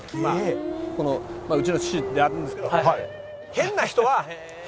まあうちの父であるんですけど。